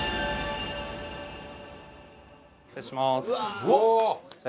失礼します。